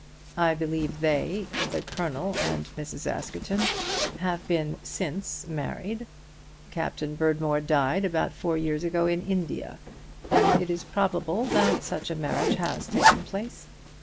I believe they, the Colonel and Mrs. Askerton, have been since married. Captain Berdmore died about four years ago in India, and it is probable that such a marriage has taken place.